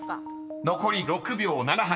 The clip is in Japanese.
残り６秒７８］